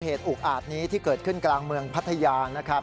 อุกอาจนี้ที่เกิดขึ้นกลางเมืองพัทยานะครับ